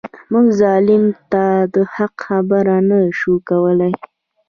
موږ ظالم ته د حق خبره نه شو کولای.